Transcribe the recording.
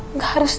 nggak harus jadi